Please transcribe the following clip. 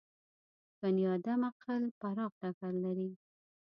د بني ادم عقل پراخ ډګر لري.